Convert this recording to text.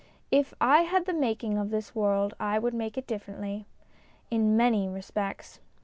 If I had the making of this world I would make it differently in many respects.